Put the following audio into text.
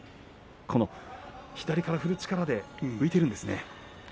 左から振る力で浮いているんですね。